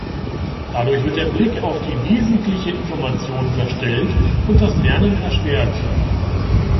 Dadurch wird der Blick auf die wesentliche Information verstellt und das Lernen erschwert.